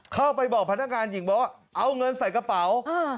เข้าไปบอกพนักงานหญิงบอกว่าเอาเงินใส่กระเป๋า